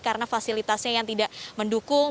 karena fasilitasnya yang tidak mendukung